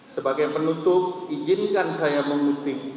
sebagai penutup izinkan saya mengutip